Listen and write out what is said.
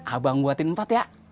abang buatin empat ya